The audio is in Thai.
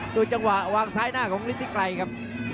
จังหวะวางซ้ายหน้าของฤทธิไกรครับ